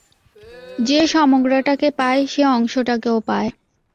যে সমগ্রটাকে পায়, সে অংশটাকেও পায়।